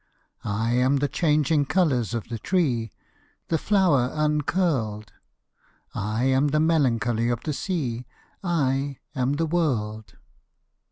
I am the changing colours of the tree; The flower uncurled: I am the melancholy of the sea; I am the world.